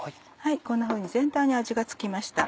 こんなふうに全体に味が付きました。